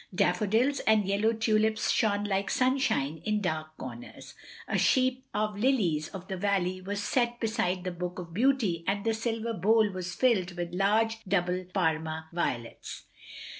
Daffodils and yellow ttdips shone like sunshine in dark comers; a sheaf of lilies of the valley was set beside the Book of Beauty and the silver bowl was filled with large, double, Parma violets.